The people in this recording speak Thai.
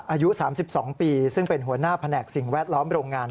อายุ๓๒ปีซึ่งเป็นหัวหน้าแผนกสิ่งแวดล้อมโรงงาน